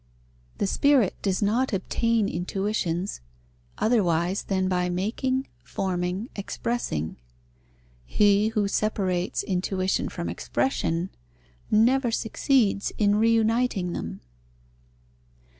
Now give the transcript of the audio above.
The spirit does not obtain intuitions, otherwise than by making, forming, expressing. He who separates intuition from expression never succeeds in reuniting them.